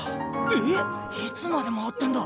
えっいつまで回ってんだ？